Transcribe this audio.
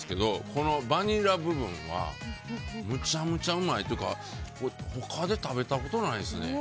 このバニラ部分はむちゃむちゃうまい。というか他で食べたことないですね。